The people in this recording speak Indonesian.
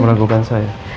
mau ragukan saya